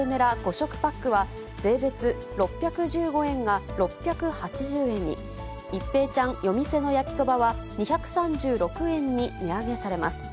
食パックは税別６１５円が６８０円に、一平ちゃん夜店の焼そばは２３６円に値上げされます。